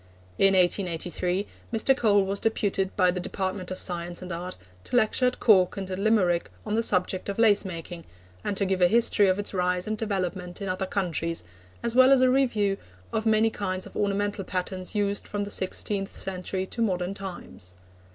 In 1883, Mr. Cole was deputed by the Department of Science and Art to lecture at Cork and at Limerick on the subject of lace making, and to give a history of its rise and development in other countries, as well as a review of the many kinds of ornamental patterns used from the sixteenth century to modern times.